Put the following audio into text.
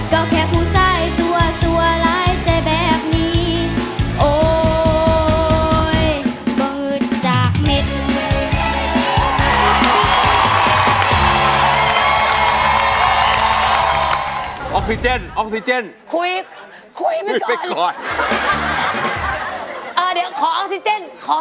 ก็แค่ผู้ใส่สั่วหลายใจแบบนี้โอ๊ยบ่งึดจากเม็ดมือ